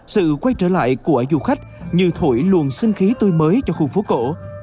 sự quay trở lại của du khách như thổi luồng sinh khí tươi mới cho khu phố cổ